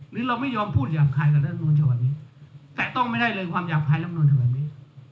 หรือเราไม่ยอมพูดหยาบคล้ายกับเรื่องรัฐนุนเฉพาะนี้แต่ต้องไม่ได้เลยความหยาบคล้ายเรื่องรัฐนุนเฉพาะนี้